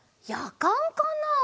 やかんかな？